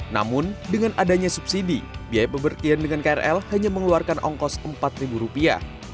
namun dengan adanya subsidi biaya pemerkian dengan krl hanya mengeluarkan ongkos empat rupiah